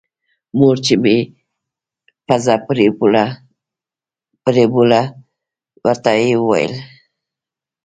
مور چې مې پزه پرېوله ورته ويې ويل.